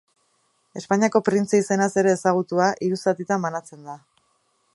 Espainiako printze izenaz ere ezagutua, hiru zatitan banatzen da.